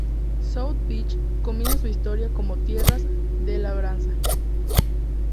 South Beach comienza su historia como tierras de labranza.